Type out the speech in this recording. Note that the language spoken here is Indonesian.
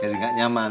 jadi gak nyaman